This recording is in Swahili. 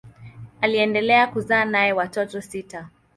Aliendelea kuzaa naye watoto sita.